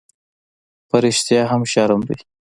_په رښتيا هم، شرم دی؟